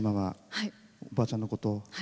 おばあちゃんのことを。